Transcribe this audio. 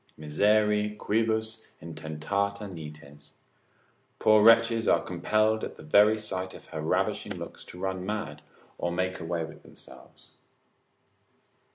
Miseri quibus intentata nites, poor wretches are compelled at the very sight of her ravishing looks to run mad, or make away with themselves.